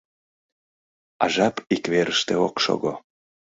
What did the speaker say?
А жап ик верыште ок шого.